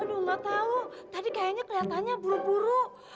aduh gak tau tadi kayaknya keliatannya buru buru